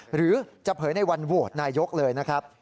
หรือจะเผยในวันโหวตนายกเลยนะครับ